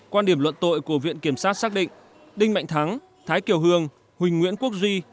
quan điểm luận tội của viện kiểm sát xác định đinh mạnh thắng thái kiều hương huỳnh nguyễn quốc duy